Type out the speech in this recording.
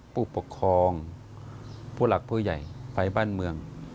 ผู้ปกครองผู้หลักผู้ใหญ่ฝ่ายบ้านเมือง